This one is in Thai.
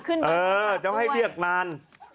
เอ่อเราให้เรียกนาน